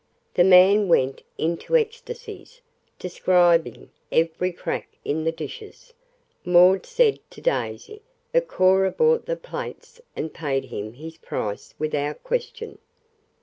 The man went into ecstasies, describing "every crack in the dishes," Maud said to Daisy, but Cora bought the plates, and paid him his price without question.